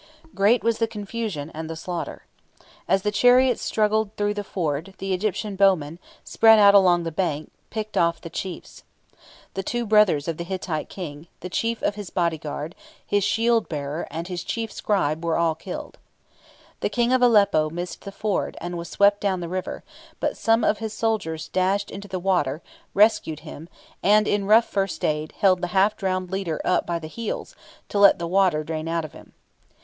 Great was the confusion and the slaughter. As the chariots struggled through the ford, the Egyptian bowmen, spread out along the bank, picked off the chiefs. The two brothers of the Hittite King, the chief of his bodyguard, his shield bearer, and his chief scribe, were all killed. The King of Aleppo missed the ford, and was swept down the river; but some of his soldiers dashed into the water, rescued him, and, in rough first aid, held the half drowned leader up by the heels, to let the water drain out of him.